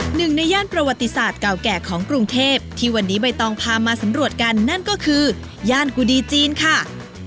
หนึ่งในย่านประวัติศาสตร์เก่าแก่ของกรุงเทพที่วันนี้ใบตองพามาสำรวจกันนั่นก็คือย่านกุดีจีนค่ะ